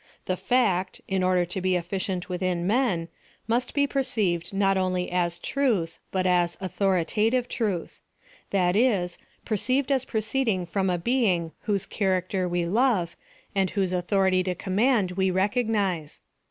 The fact, in order to be efficient within men, must be perceived not only as truths but as author' itative truth; that is, perceived as proceeding from a being whose character we love, and whose au thority to command we recognize.